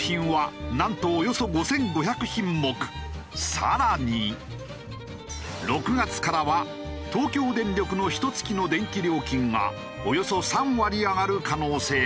更に６月からは東京電力のひと月の電気料金がおよそ３割上がる可能性も。